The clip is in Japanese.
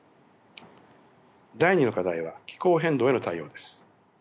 第２の課題は気候変動への対応です。